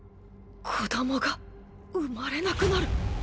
子供が生まれなくなる？